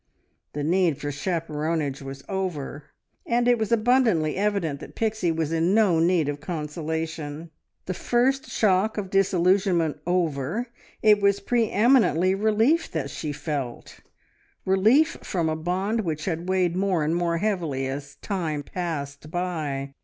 The need for chaperonage was over, and it was abundantly evident that Pixie was in no need of consolation. The first shock of disillusionment over, it was pre eminently relief that she felt relief from a bond which had weighed more and more heavily as time passed by.